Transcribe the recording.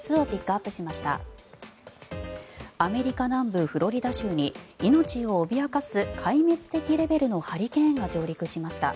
アメリカ南部フロリダ州に命を脅かす壊滅的レベルのハリケーンが上陸しました。